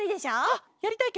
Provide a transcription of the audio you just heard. あっやりたいケロ！